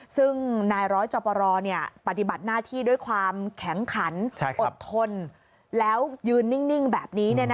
ซึ่งนายร้อยจอปรปฏิบัติหน้าที่ด้วยความแข็งขันอดทนแล้วยืนนิ่งแบบนี้